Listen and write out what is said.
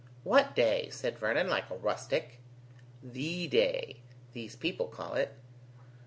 "What day?" said Vernon, like a rustic. "THE day, these people call it."